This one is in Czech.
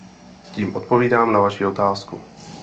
Tím odpovídám na vaši otázku.